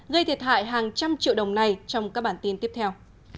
gây thiệt hại hàng trăm triệu đồng này trong các bản tin tiếp theo